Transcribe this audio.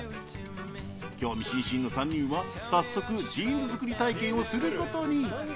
興味津々の３人は早速ジーンズ作り体験をすることに。